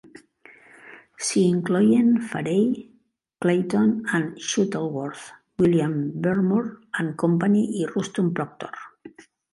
S'hi incloïen Fairey, Clayton and Shuttleworth, William Beardmore and Company i Ruston Proctor.